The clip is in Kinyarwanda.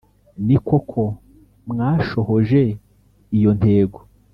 Ni koko mwashohoje iyo ntego